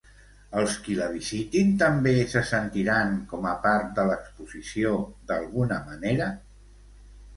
Els qui la visitin, també se sentiran com a part de l'exposició d'alguna manera?